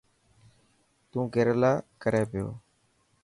تو ڪيريلا ڪري پيو.